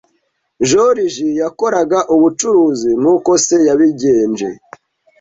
Joriji yakoraga ubucuruzi nkuko se yabigenje.